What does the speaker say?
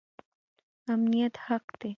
امنیت حق دی